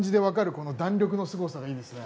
この弾力のすごさがいいですね。